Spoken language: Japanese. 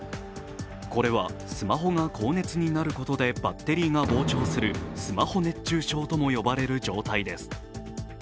これは、スマホが高熱になることでバッテリーが膨張するスマホ熱中症とも呼ばれる症状です。